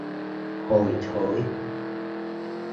hôi thối